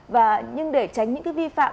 và nhưng để tránh những vi phạm